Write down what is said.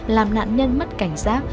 làm nạn nhân mất cảnh giác